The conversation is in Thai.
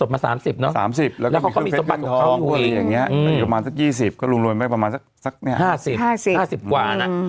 อยู่ประมาณสัก๒๐ก็รุงรวยไปประมาณสัก๕๐กว่านะ